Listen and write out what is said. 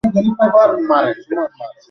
তারা তাকে দেখে নি।